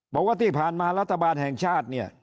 บอกว่าที่ผ่านมารัฐบาลแห่งชาติเนี่ย